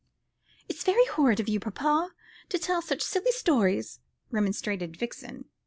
"It's very horrid of you, papa, to tell such silly old stories," remonstrated Vixen.